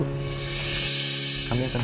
kami akan fix bapak aku